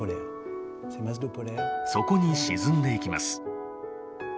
底に沈んでいきます。